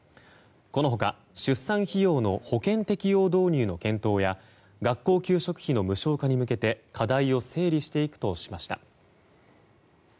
この他出産費用の保険適用導入の検討や学校給食費の無償化に向けて課題を整理していくとしました。